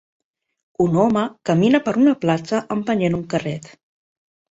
Un home camina per una platja empenyent un carret.